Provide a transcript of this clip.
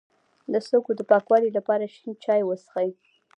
د سږو د پاکوالي لپاره شین چای وڅښئ